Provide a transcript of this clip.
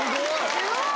すごい！